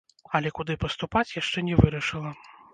Але куды паступаць, яшчэ не вырашыла.